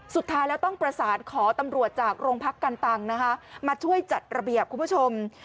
สุดท้ายแล้วต้องประสานขอตำรวจจากโรงพักกันตังนะคะมาช่วยจัดระเบียบคุณผู้ชม